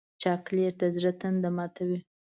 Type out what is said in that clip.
چاکلېټ د زړه تنده ماتوي.